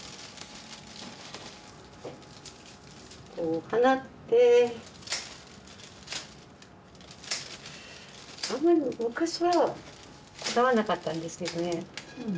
お花ってあんまり昔はこだわんなかったんですけどね。